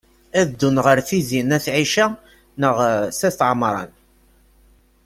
Ad ddun ɣer Tizi n at Ɛica neɣ s at Ɛemṛan?